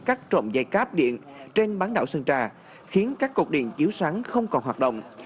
các đối tượng đã cắt trộm dây cáp điện trên bán đảo sơn trà khiến các cột điện chiếu sáng không còn hoạt động